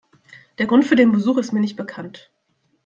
Der Grund für den Besuch ist mir nicht bekannt.